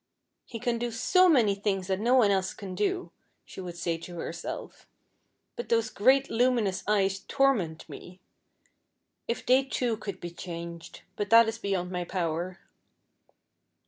"He can do so many things that no one else can do," she would say to herself, "but those great luminous eyes torment me. If they too could be changed. But that is beyond my power.